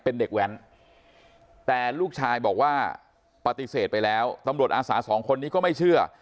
เป็นเด็กแว้นแต่ลูกชายบอกว่าปฏิเสธไปแล้วตำรวจอาสาสองคนนี้ก็ไม่เชื่อ